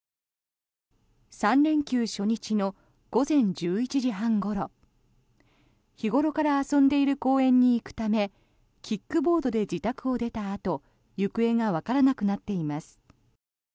３連休初日の午前１１時半ごろ日頃から遊んでいる公園に行くためキックボードで自宅を出たあと行方がわからなくなっています。